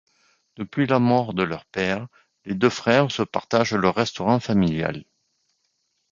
Depuis la mort de leur père, les deux frères se partagent le restaurant familial.